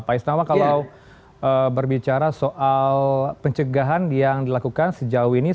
pak isnama kalau berbicara soal pencegahan yang dilakukan sejauh ini